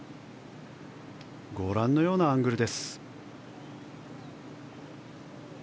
ご覧のようなアングル。